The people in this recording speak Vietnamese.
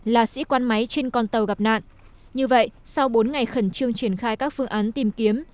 là sĩ quan máy trên con tàu gặp nạn như vậy sau bốn ngày khẩn trương triển khai các phương án tìm kiếm